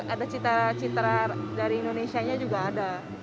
ada cita cita dari indonesia nya juga ada